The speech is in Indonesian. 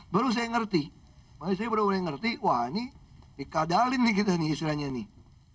baru saya ngerti makanya saya baru yang ngerti wah ini dikadalin nih kita nih istilahnya nih